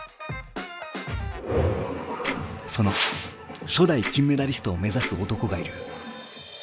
その初代金メダリストを目指す男がいる。